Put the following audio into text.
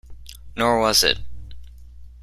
Nor was it.